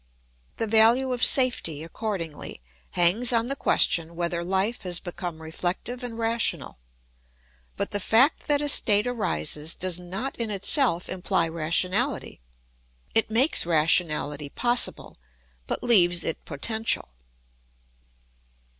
The value of safety, accordingly, hangs on the question whether life has become reflective and rational. But the fact that a state arises does not in itself imply rationality. It makes rationality possible, but leaves it potential.